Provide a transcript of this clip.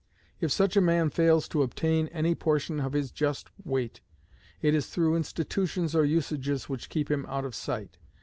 If such a man fails to obtain any portion of his just weight, it is through institutions or usages which keep him out of sight.